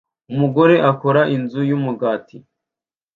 Umugore akora inzu yumugati